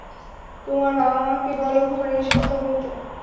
তোমার বাবা-মাকে বলো ঘরে এসে কথা বলতে।